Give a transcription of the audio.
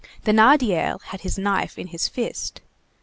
Thénardier had his knife in his fist.